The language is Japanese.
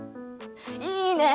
いいね！